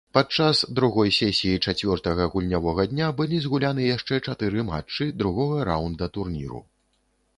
Падчас другой сесіі чацвёртага гульнявога дня былі згуляны яшчэ чатыры матчы другога раўнда турніру.